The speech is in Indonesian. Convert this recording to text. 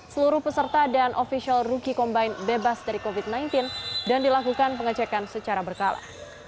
seluruh peserta dan ofisial rookie combine bebas dari covid sembilan belas dan dilakukan pengecekan secara berkala